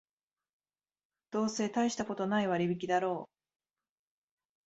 どうせたいしたことない割引だろう